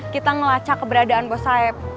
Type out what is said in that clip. kita ngelacak keberadaan bos saib